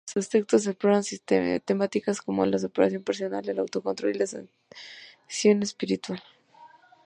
Sus textos exploran temáticas como la superación personal, el autocontrol y la sanación espiritual.